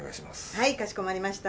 はいかしこまりました。